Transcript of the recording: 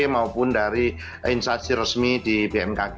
maupun dari instansi resmi di bmkg